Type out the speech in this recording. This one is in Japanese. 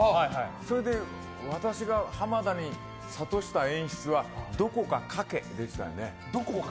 それで私が濱田にさとした演出はどこかかけでしたね。